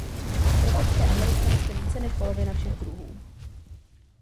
V tropické Americe roste více než polovina všech druhů.